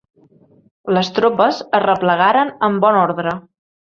Les tropes es replegaren en bon ordre.